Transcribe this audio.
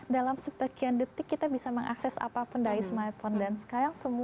dalam sebagian detik kita bisa mengakses apapun dari smartphone dan skype